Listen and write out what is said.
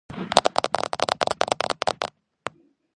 იბრძოდა ბალტიის ზღვაზე.